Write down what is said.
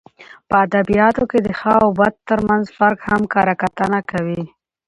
په اد بیاتو کښي د ښه او بد ترمنځ فرق هم کره کتنه کوي.